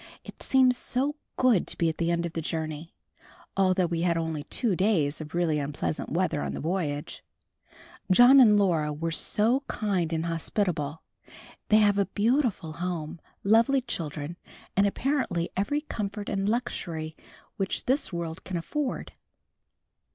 It seemed so good to be at the end of the journey, although we had only two days of really unpleasant weather on the voyage. John and Laura are so kind and hospitable. They have a beautiful home, lovely children and apparently every comfort and luxury which this world can afford.